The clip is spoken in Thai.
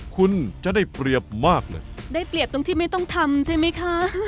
คุณจะได้เปรียบมากเลยได้เปรียบตรงที่ไม่ต้องทำใช่ไหมคะ